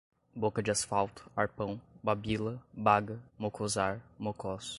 boca de asfalto, arpão, babila, baga, mocosar, mocós